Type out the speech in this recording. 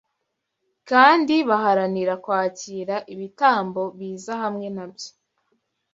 kandi baharanira kwakira ibitambo biza hamwe nabyo.